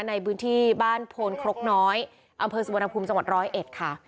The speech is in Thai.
ในบื้นที่บ้านโพนครกน้อยอำเภอสมบัติภูมิจังหวัด๑๐๑ค่ะ